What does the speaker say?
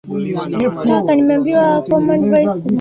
hiyo lakini inawakilisha malengo ya msingi ya kiafya inayosaidia